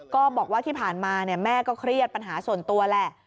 ก็บอกว่าที่ผ่านมาแม่ก็เครียดปัญหาส่วนตัวแหละ